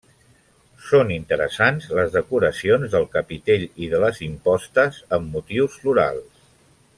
Són interessants les decoracions del capitell i de les impostes, amb motius florals.